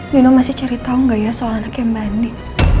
nino masih cerita gak ya soal anaknya mbak anin